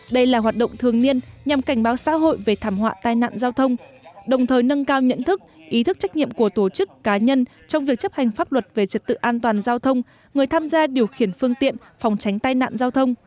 đây là hoạt động thường niên nhằm cảnh báo xã hội về thảm họa tai nạn giao thông đồng thời nâng cao nhận thức ý thức trách nhiệm của tổ chức cá nhân trong việc chấp hành pháp luật về trật tự an toàn giao thông người tham gia điều khiển phương tiện phòng tránh tai nạn giao thông